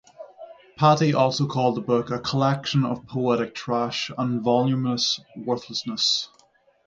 Pattee also called the book a "collection of poetic trash" and "voluminous worthlessness".